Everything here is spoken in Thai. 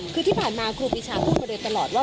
คือที่ผ่านมาครูปีชาพูดมาโดยตลอดว่า